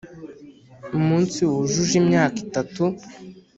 umunsi wujuje imyaka itatu,